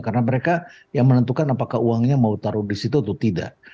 karena mereka yang menentukan apakah uangnya mau taruh di situ atau tidak